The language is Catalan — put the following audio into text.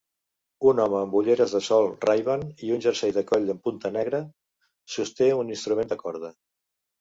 Un home amb ulleres de sol RayBan i un jersei de coll en punta negre sosté un instrument de corda.